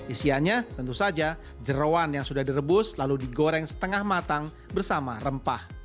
isiannya tentu saja jerawan yang sudah direbus lalu digoreng setengah matang bersama rempah